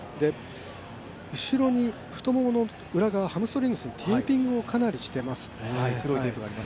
後ろに、太ももの裏側、ハムストリングにテーピングをしていますね。